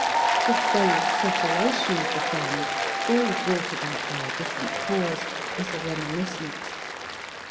The very separation of the friends, though brought about by a different cause, is a reminiscence.